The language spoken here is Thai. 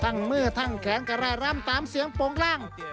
ทั้งเมื่อทั้งแขนกระแร่ร่ำตามเสียงโป้งร่าง